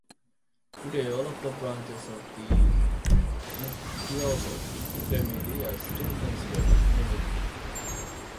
Today, all of the branches of the Mucciolo family are still considered nobility.